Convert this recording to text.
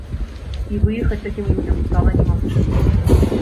І выехаць такім людзям стала немагчыма.